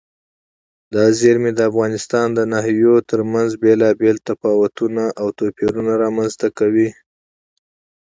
دا زیرمې د افغانستان د ناحیو ترمنځ بېلابېل تفاوتونه او توپیرونه رامنځ ته کوي.